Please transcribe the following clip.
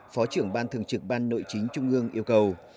phó trưởng ban thường trực ban nội chính trung ương yêu cầu